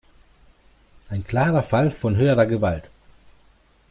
Ein klarer Fall von höherer Gewalt.